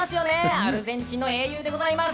アルゼンチンの英雄でございます。